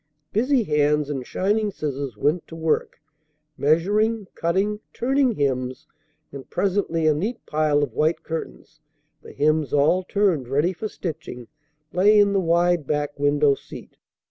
Busy hands and shining scissors went to work, measuring, cutting, turning hems; and presently a neat pile of white curtains, the hems all turned ready for stitching, lay in the wide back window seat.